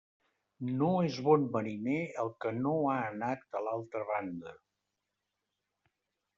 No és bon mariner el que no ha anat a l'altra banda.